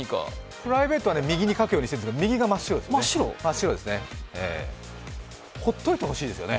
プライベートは右に書くようにしてるんですが、右が真っ白ですね。